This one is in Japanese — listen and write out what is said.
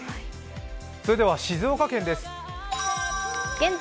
それでは静岡県です。